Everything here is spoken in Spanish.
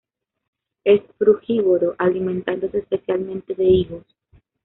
Es frugívoro, alimentándose especialmente de higos.